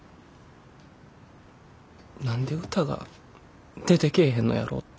何で歌が出てけえへんのやろって。